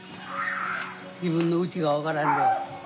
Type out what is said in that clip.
自分のうちが分からんのや。